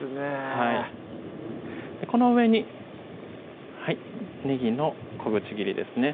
はいこの上にねぎの小口切りですね